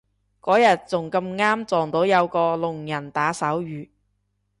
嗰日仲咁啱撞到有個聾人打手語